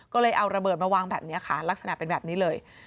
ก็เลยเอาระเบิดมาวางแบบนี้ค่ะลักษณะเป็นแบบนี้เลย